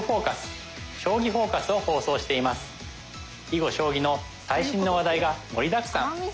囲碁将棋の最新の話題が盛りだくさん。